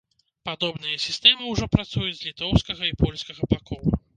Падобныя сістэмы ўжо працуюць з літоўскага і польскага бакоў.